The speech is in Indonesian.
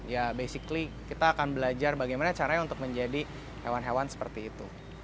ya basically kita akan belajar bagaimana caranya untuk menjadi hewan hewan seperti itu